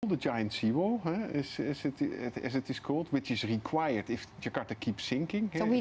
sebuah jalan laut besar seperti yang disebut yang diperlukan jika jakarta terus menurun